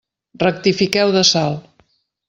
Rectifiqueu de sal.